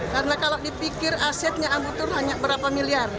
karena kalau dipikir asetnya abu tur hanya berapa miliar